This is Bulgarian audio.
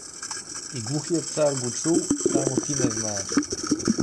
— И глухият цар го е чул, само ти не знаеш.